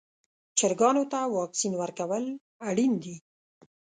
چرګانو ته واکسین ورکول اړین دي.